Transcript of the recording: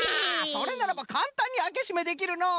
それならばかんたんにあけしめできるのう！